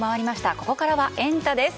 ここからはエンタ！です。